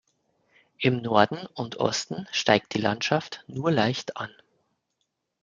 Im Norden und Osten steigt die Landschaft nur leicht an.